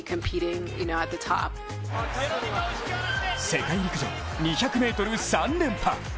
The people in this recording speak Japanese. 世界陸上２００ｍ、３連覇。